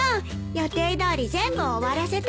予定どおり全部終わらせたわ。